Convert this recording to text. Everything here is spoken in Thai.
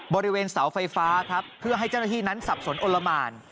บริเวณเสาไฟฟ้าครับเพื่อให้เจ้าหน้าที่นั้นสับสนอนละหมาน